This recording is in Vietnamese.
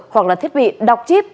hoặc là thiết bị đọc chip